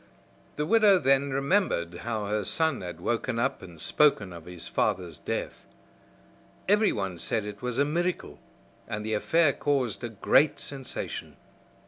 The widow then remembered how her son had woke up and spoken of his father's death. Everyone said it was a miracle, and the affair caused a great sensation.